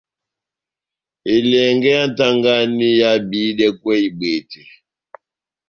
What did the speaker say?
Elɛngɛ yá nʼtagani ehábihidɛkwɛ ibwete.